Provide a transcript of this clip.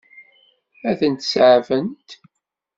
Ad tent-seɛfent?